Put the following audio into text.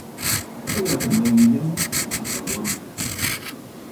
Yawar mayullam apawanqa.